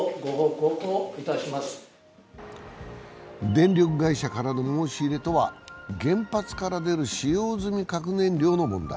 電力会社からの申し入れとは原発から出る使用済み核燃料の問題。